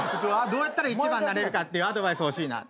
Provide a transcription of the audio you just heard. どうやったら一番になれるかっていうアドバイス欲しいな。